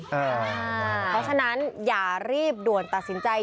เพราะฉะนั้นอย่ารีบด่วนตัดสินใจ